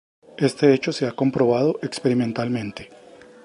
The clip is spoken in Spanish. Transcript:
Éste hecho se ha comprobado experimentalmente.